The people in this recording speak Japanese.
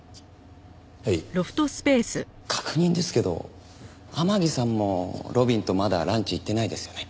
確認ですけど天樹さんも路敏とまだランチ行ってないですよね？